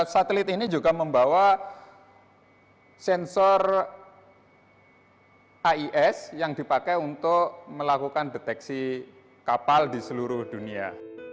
satelit ini juga membawa sensor ais yang dipakai untuk melakukan deteksi kapal di seluruh dunia